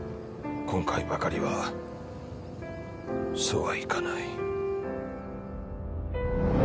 今回ばかりはそうはいかない